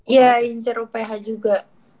iya incer uph juga